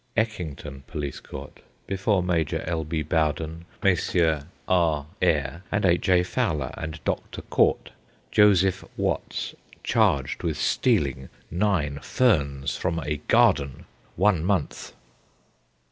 Eckington Police Court. Before Major L. B. Bowden, Messrs. R. Eyre, and H. A. Fowler, and Dr. Court. Joseph Watts, charged with stealing nine ferns from a garden. One month.